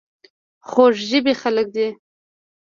خوږ ژبې خلک دي .